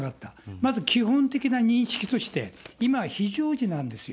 まず基本的な認識として、今、非常時なんですよ。